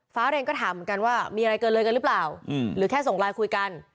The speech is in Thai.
เร็งก็ถามเหมือนกันว่ามีอะไรเกินเลยกันหรือเปล่าหรือแค่ส่งไลน์คุยกัน